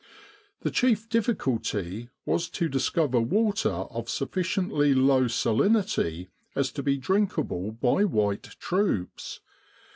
The chief difficulty was to discover water of sufficiently low salinity as to be drinkable by white troops.